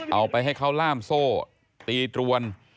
เอาไปให้เขาล่ามโซ่ตีตรวน